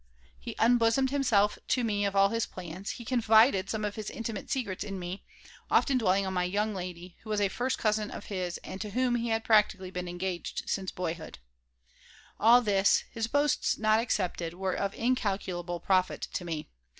He unbosomed himself to me of all his plans; he confided some of his intimate secrets in me, often dwelling on "my young lady," who was a first cousin of his and to whom he had practically been engaged since boyhood All this, his boasts not excepted, were of incalculable profit to me.